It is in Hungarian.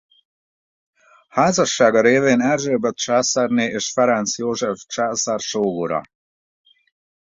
Házassága révén Erzsébet császárné és Ferenc József császár sógora.